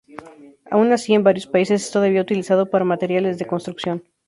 Aun así, en varios países es todavía utilizado para materiales de construcción.